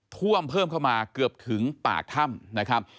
ท่วมเพิ่มเข้ามาเกือบถึงปากถ้ำนะครับ